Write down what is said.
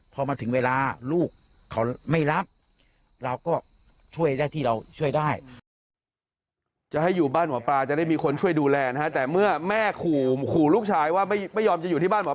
พอมาถึงเวลาลูกเขาไม่รับเราก็ช่วยได้ที่เราช่วยได้